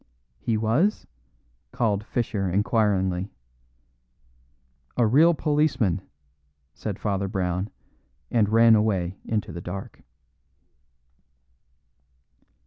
"He was?" called Fischer inquiringly. "A real policeman," said Father Brown, and ran away into the dark.